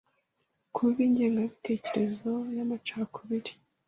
kubibe ingengebitekerezo y’emecekubiri,